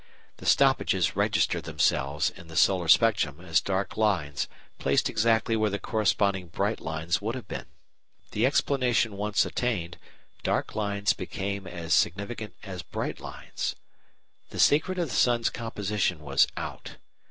The "stoppages" register themselves in the solar spectrum as dark lines placed exactly where the corresponding bright lines would have been. The explanation once attained, dark lines became as significant as bright lines. The secret of the sun's composition was out.